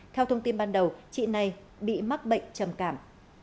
theo thông tin ban đầu chị này bị mắc bệnh trầm cảm